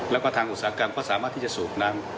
แล้วก็ทางอุตสาหกรรมก็สามารถที่จะสูบน้ำ